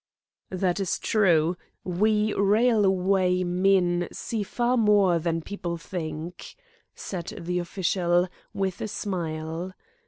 "That is true. We railway men see far more than people think," said the official, with a smile.